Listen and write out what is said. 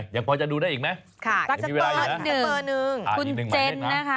ยังพอจะดูได้อีกไหม